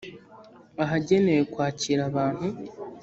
ahagenewe kwakira abantu